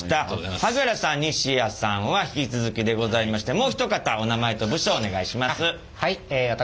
萩原さん西谷さんは引き続きでございましてもう一方お名前と部署をお願いします。